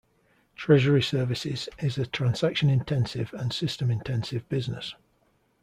Treasury Services is a transaction intensive and system intensive business.